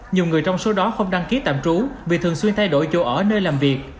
nhiều người trong số đó không đăng ký tạm trú vì thường xuyên thay đổi chỗ ở nơi làm việc